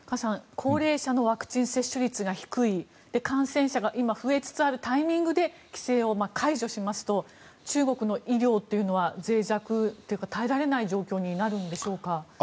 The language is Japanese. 高齢者のワクチン接種率が低い感染者が今、増えつつあるタイミングで規制を解除しますと中国の医療というのはぜい弱というか耐えられない状況になるんでしょうか。